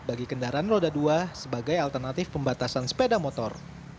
bagi kendaraan roda dua sebagai alternatif pembatasan sepeda motor